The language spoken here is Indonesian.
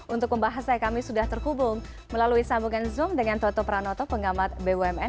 untuk pembahasnya kami sudah terhubung melalui sambungan zoom dengan toto pranoto pengamat bumn